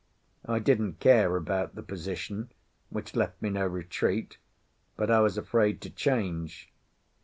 I didn't care about the position, which left me no retreat, but I was afraid to change.